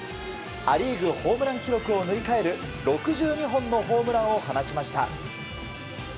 ア・リーグホームラン記録を塗り替える６２本のホームランを放ちました。